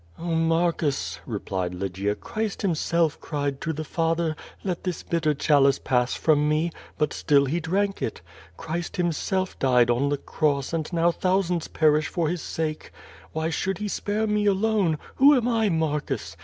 "Oh, Marcus," replied Lygia, "Christ himself cried to the «1 QUO VADrS. 449 Father, ^Let this bitter clialice pass from me/ but still he drank it. Christ himself died on the cross and now thou sands perish for his sake. Wliy should he spare me aloqe? Who am I, Marcus?